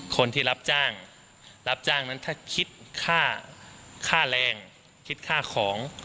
คนที่รับจ้างรับจ้างนั้นถ้าคิดค่าแรงคิดค่าของ